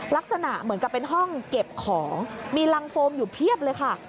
ลักษณะเหมือนกับเป็นห้องเก็บของมีรังโฟมอยู่เพียบเลยค่ะ